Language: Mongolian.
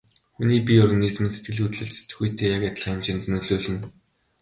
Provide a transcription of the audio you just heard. Хүний бие организм нь сэтгэл хөдлөлд сэтгэхүйтэй яг адилхан хэмжээнд нөлөөлнө.